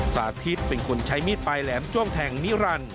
สาธิตเป็นคนใช้มีดปลายแหลมจ้วงแทงนิรันดิ